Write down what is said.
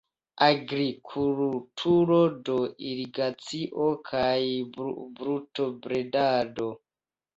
Agrikulturo de irigacio kaj brutobredado.